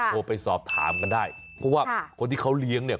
โทรไปสอบถามกันได้เพราะว่าคนที่เขาเลี้ยงเนี่ย